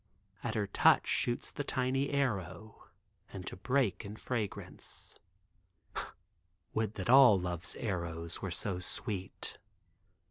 At her touch shoots the tiny arrow and to break in fragrance. Would that all Love's arrows were so sweet.